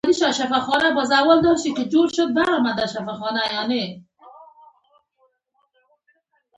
ږیره لرونکي ډاکټر وویل: که زحمت نه وي، ځنګون ته یې حرکت ورکړئ.